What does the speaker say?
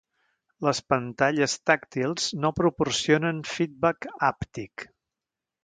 Les pantalles tàctils no proporcionen feedback hàptic.